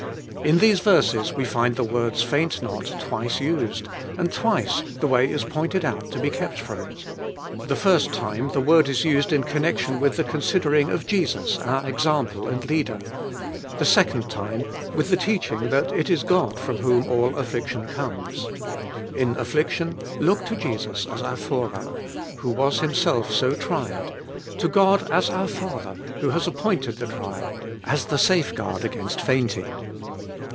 In these verses we find the words, Faint not, twice used, and twice the way is pointed out to be kept from it. The first time the word is used in connection with the considering of Jesus, our Example and Leader. The second time, with the teaching, that it is God from whom all affliction comes. In affliction, look to Jesus as our Forerunner, who was Himself so tried ; to God as our Father, who has appointed the trial, as the safeguard against fainting.